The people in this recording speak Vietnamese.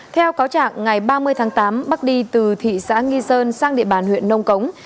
theo cáo trạng ngày ba mươi tháng tám bắc đi từ thị xã nghi sơn sang địa bàn huyện nông cống